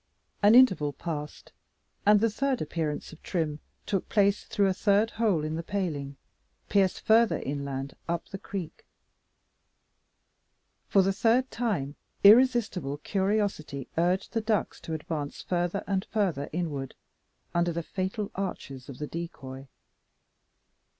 An interval passed, and the third appearance of Trim took place, through a third hole in the paling, pierced further inland up the creek. For the third time irresistible curiosity urged the ducks to advance further and further inward, under the fatal arches of the decoy.